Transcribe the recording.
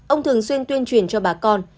ông thường xuyên tuyên truyền cho bà con